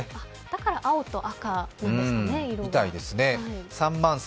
だから青と赤なんですね色が。